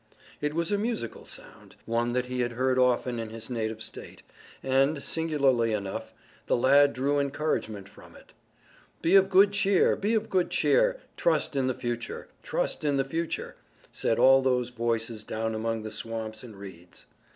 It was a musical sound, one that he had heard often in his native state, and, singularly enough, the lad drew encouragement from it. "Be of good cheer! Be of good cheer! Trust in the future! Trust in the future!" said all those voices down among the swamps and reeds.